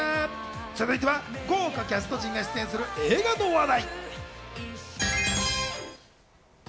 続いては豪華キャスト陣が出演する映画の話題。